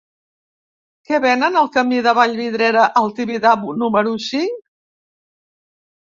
Què venen al camí de Vallvidrera al Tibidabo número cinc?